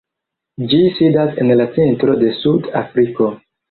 Ĝi sidas en la centro de Sud-Afriko.